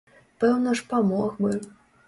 Пэўна ж памог бы.